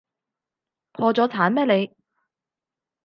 破咗產咩你？